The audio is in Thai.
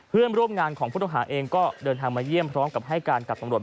เพื่อนร่วมงานของผู้ต้องหาเองก็เดินทางมาเยี่ยมพร้อมกับให้การกับตำรวจ